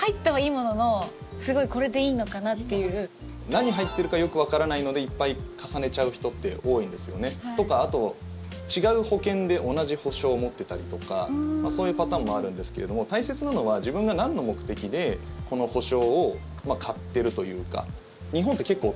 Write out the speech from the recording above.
何入ってるかよくわからないのでいっぱい重ねちゃう人って多いんですよね。とか、あと違う保険で同じ保障を持ってたりとかそういうパターンもあるんですけど大切なのは、自分がなんの目的でこの保障を買っているというか。